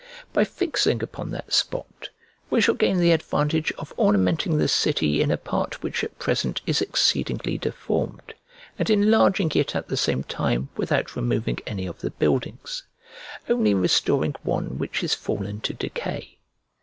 By fixing upon that spot, we shall gain the advantage of ornamenting the city in a part which at present is exceedingly deformed, and enlarging it at the same time without removing any of the buildings; only restoring one which is fallen to decay.